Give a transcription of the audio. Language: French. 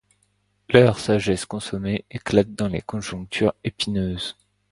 Leur sagesse consommée éclate dans les conjonctures épineuses.